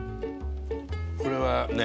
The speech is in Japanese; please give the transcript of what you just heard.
これはね